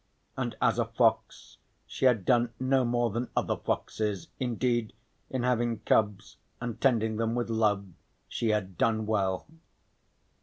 And as a fox she had done no more than other foxes, indeed in having cubs and tending them with love, she had done well.